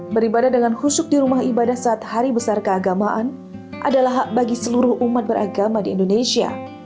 beribadah dengan husuk di rumah ibadah saat hari besar keagamaan adalah hak bagi seluruh umat beragama di indonesia